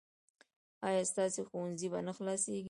ایا ستاسو ښوونځی به نه خلاصیږي؟